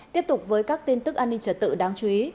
tiếp tục với các tin tức an ninh trật tự đáng chú ý